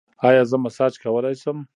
ایا زه مساج کولی شم؟